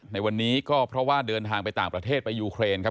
ในวันนี้ก็เพราะว่าเดินทางไปต่างประเทศไปยูเครนครับ